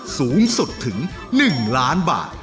สูงสุดถึง๑ล้านบาท